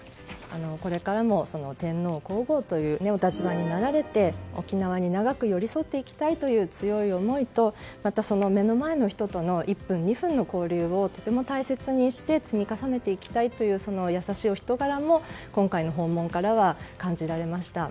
これからも天皇・皇后というお立場になられて沖縄に長く寄り添っていきたいという強い思いとまたその目の前の人との１分、２分の交流をとても大切にして積み重ねていきたいという優しいお人柄も今回の訪問からは感じられました。